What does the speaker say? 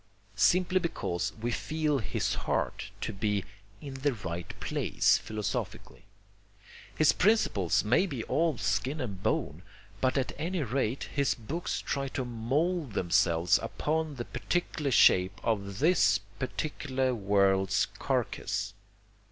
Simply because we feel his heart to be IN THE RIGHT PLACE philosophically. His principles may be all skin and bone, but at any rate his books try to mould themselves upon the particular shape of this, particular world's carcase.